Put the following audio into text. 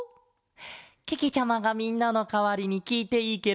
けけちゃまがみんなのかわりにきいていいケロ？